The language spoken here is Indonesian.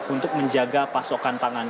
untuk menjaga pasokan tangan